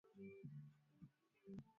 Binamu anaimba.